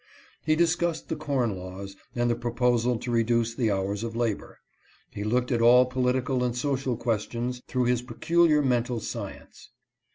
He discussed the corn laws, and the proposal to reduce the hours of labor. He looked at all political and social questions through his peculiar mental science.